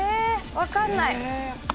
分かんない。